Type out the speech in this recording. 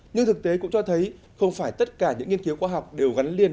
nhưng thực tế cũng cho thấy không phải tất cả những nghiên cứu khoa học đều gắn liền